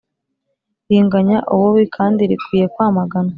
ringanya ububi kandi rikwiye kwamaganwa